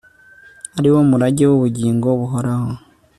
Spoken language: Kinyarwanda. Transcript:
ari wo murage wubugingo buhoraho